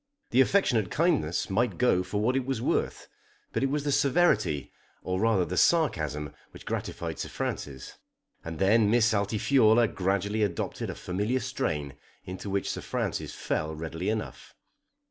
The affectionate kindness might go for what it was worth; but it was the severity, or rather the sarcasm, which gratified Sir Francis. And then Miss Altifiorla gradually adopted a familiar strain into which Sir Francis fell readily enough.